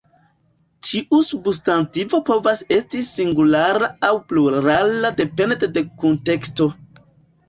Ĉiu substantivo povas esti singulara aŭ plurala depende de kunteksto.